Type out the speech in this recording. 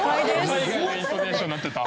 海外のイントネーションになってた。